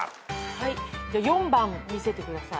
はい４番見せてください。